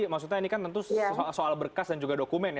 maksudnya ini kan tentu soal berkas dan juga dokumen ya